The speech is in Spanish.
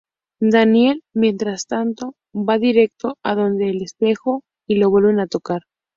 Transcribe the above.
Daniel, mientras tanto, va directo a donde el espejo y lo vuelve a tocar.